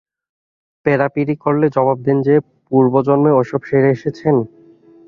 পেড়াপীড়ি করলে জবাব দেন যে, পূর্বজন্মে ওসব সেরে এসেছেন।